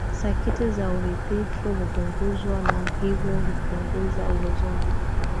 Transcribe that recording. sakiti za uridhifu hupunguzwa na hivyo kupunguza uwezo wa